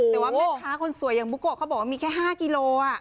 แม่ดค้าคนสวยอย่างปุโกมีแค่๕กิโล